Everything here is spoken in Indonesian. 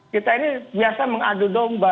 kita ini biasa mengadu domba